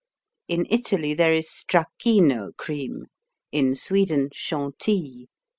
In Italy there is Stracchino Cream, in Sweden Chantilly.